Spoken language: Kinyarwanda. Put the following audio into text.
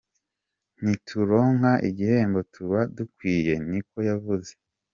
"Ntituronka igihembo tuba dukwiye", niko yavuze.